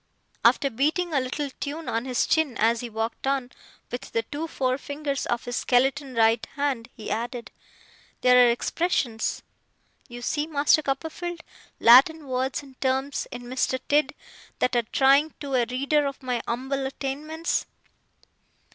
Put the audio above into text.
After beating a little tune on his chin as he walked on, with the two forefingers of his skeleton right hand, he added: 'There are expressions, you see, Master Copperfield Latin words and terms in Mr. Tidd, that are trying to a reader of my umble attainments.